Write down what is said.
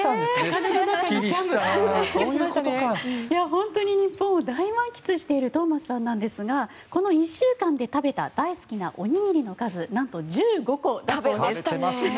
本当に日本を大満喫しているトーマスさんなんですがこの１週間で食べた大好きなおにぎりの数なんと１５個食べました。